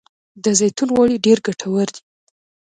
د زیتون غوړي ډیر ګټور دي.